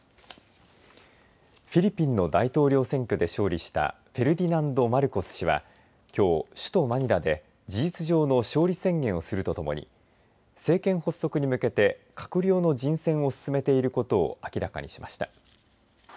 フィリピンの大統領選挙で勝利したフェルディナンド・マルコス氏はきょう、首都マニラで事実上の勝利宣言をするとともに政権発足に向けて閣僚の人選を進めていることを明らかにしました。